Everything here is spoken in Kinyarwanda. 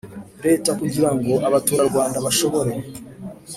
Leta kugira ngo abaturarwanda bashobore